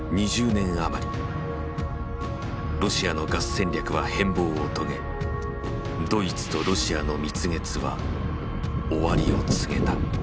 ロシアのガス戦略は変貌を遂げドイツとロシアの蜜月は終わりを告げた。